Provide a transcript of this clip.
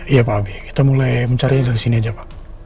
iya pak abe kita mulai mencari dari sini aja pak